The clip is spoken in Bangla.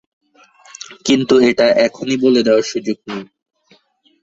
কিন্তু এটা এখনই বলে দেয়ার সুযোগ নেই।